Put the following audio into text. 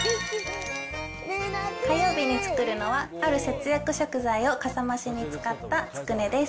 火曜日に作るのは、ある節約食材をかさ増しに使ったつくねです。